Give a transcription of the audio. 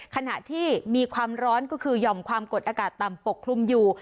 ขณะที่มีความร้อนก็คือหย่อมความกดอากาศต่ำปกคลุมอยู่